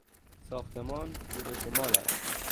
ساختمان رو به شمال است.